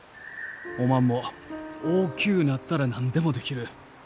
おまんも大きゅうなったら何でもできる。